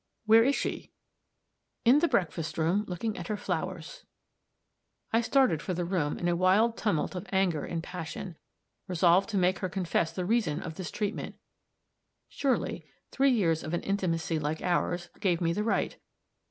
"Where is she?" "In the breakfast room, looking at her flowers." I started for the room in a wild tumult of anger and passion, resolved to make her confess the reason of this treatment. Surely, three years of an intimacy like ours, gave me the right.